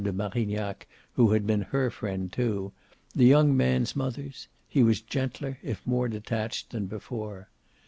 de Marignac, who had been her friend too, the young man's mother's, he was gentler, if more detached, than before.